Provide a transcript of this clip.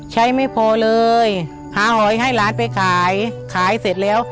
ไม่พอเลยหาหอยให้หลานไปขายขายเสร็จแล้ว